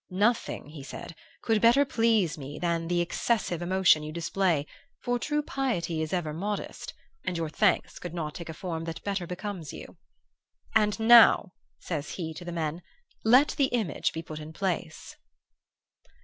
"'Nothing,' he said, 'could better please me than the excessive emotion you display, for true piety is ever modest, and your thanks could not take a form that better became you. And now,' says he to the men, 'let the image be put in place.